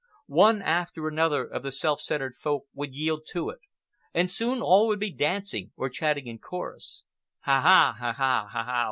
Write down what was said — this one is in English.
One after another of the self centred Folk would yield to it, and soon all would be dancing or chanting in chorus. "Ha ah, ha ah, ha ah ha!"